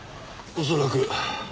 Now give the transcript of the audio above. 恐らく。